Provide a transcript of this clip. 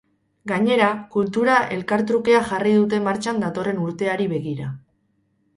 Gainera, kultura elkartrukea jarri nahi dute martxan datorren urteari begira.